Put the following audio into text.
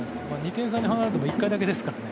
２点差に離れたのも１回だけですからね。